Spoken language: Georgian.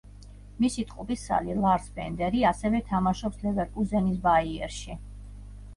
მისი ტყუპისცალი, ლარს ბენდერი, ასევე თამაშობს „ლევერკუზენის ბაიერში“.